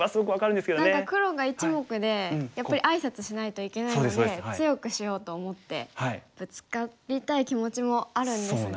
何か黒が１目でやっぱりあいさつしないといけないので強くしようと思ってブツカりたい気持ちもあるんですが。